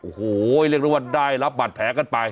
โอ้โหเรียกได้ว่าได้รับบัตรแผลกันไป